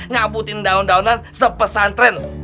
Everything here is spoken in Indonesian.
nyabutin daun daunan sepesantren